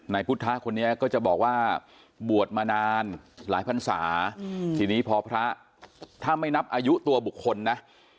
พุทธคนนี้ก็จะบอกว่าบวชมานานหลายพันศาทีนี้พอพระถ้าไม่นับอายุตัวบุคคลนะ